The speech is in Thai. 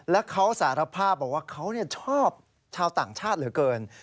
แล้วเขาสารภาพบอกว่าเขาชอบชาวต่างชาติเหลือเกิน